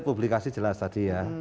publikasi jelas tadi